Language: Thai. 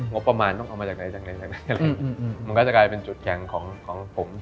งบประมาณต้องเอามาจากไหนจากไหนมันก็จะกลายเป็นจุดแข็งของของผม